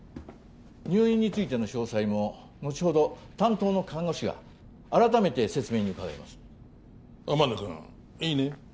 入院についての詳細も後ほど担当の看護師が改めて説明に伺います天野くんいいね？